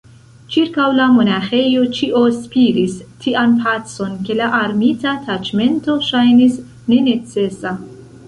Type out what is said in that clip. Ĉirkaŭ la monaĥejo ĉio spiris tian pacon, ke la armita taĉmento ŝajnis nenecesa.